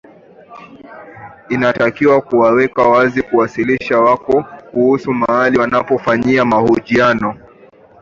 inatakiwa kuwaweka wazi wasikilizaji wako kuhusu mahali unapofanyia mahojiano